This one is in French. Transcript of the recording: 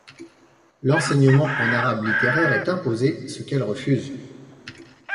L'enseignement en arabe littéraire est imposé, ce qu'elle refuse.